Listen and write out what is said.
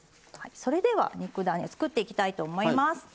それでは肉だね作っていきたいと思います。